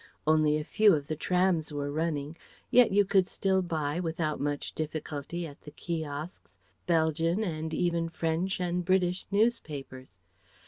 Only a few of the trams were running. Yet you could still buy, without much difficulty at the kiosques, Belgian and even French and British newspapers.